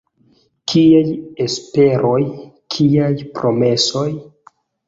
Kiaj esperoj, kiaj promesoj?